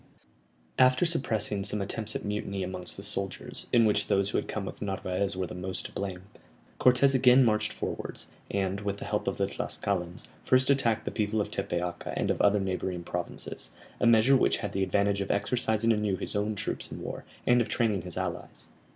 After suppressing some attempts at mutiny amongst the soldiers, in which those who had come with Narvaez were the most to blame, Cortès again marched forwards, and, with the help of the Tlascalans, first attacked the people of Tepeaca and of other neighbouring provinces, a measure which had the advantage of exercising anew his own troops in war, and of training his allies.